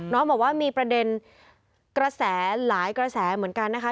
น้องบอกว่ามีประเด็นกระแสหลายกระแสเหมือนกันนะคะ